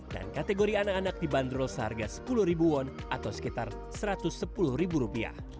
dan kategori anak anak dibanderol seharga sepuluh won atau sekitar satu ratus sepuluh rupiah